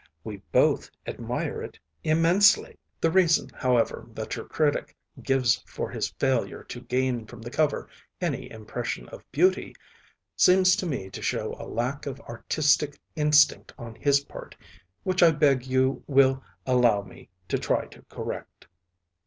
We both admire it immensely! The reason, however, that your critic gives for his failure to gain from the cover any impression of beauty seems to me to show a lack of artistic instinct on his part, which I beg you will allow me to try to correct.